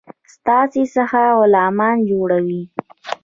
ستاسي څخه غلامان جوړوي.